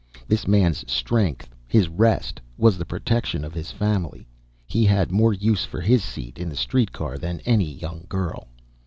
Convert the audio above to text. This man's strength, his rest, was the protection of his family. He had more use for his seat in the street car than any young girl.